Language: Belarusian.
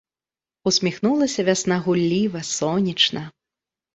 Усміхнулася вясна гулліва, сонечна.